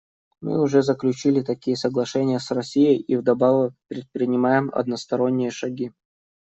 Мы уже заключили такие соглашения с Россией и вдобавок предпринимаем односторонние шаги.